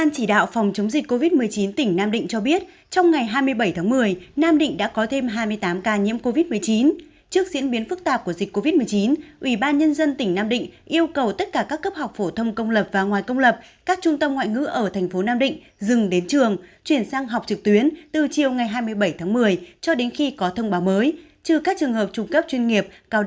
các bạn hãy đăng ký kênh để ủng hộ kênh của chúng mình nhé